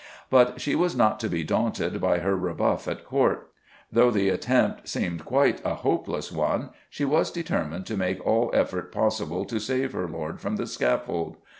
But she was not to be daunted by her rebuff at Court. Though the attempt seemed quite a hopeless one, she was determined to make all effort possible to save her lord from the scaffold.